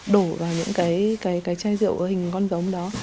đổ vào những cái chai rượu hình con giống đó